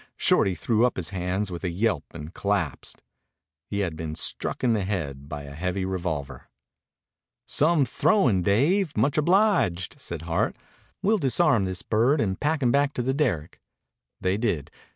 Shorty threw up his hands with a yelp and collapsed. He had been struck in the head by a heavy revolver. "Some throwin', Dave. Much obliged," said Hart. "We'll disarm this bird and pack him back to the derrick." They did.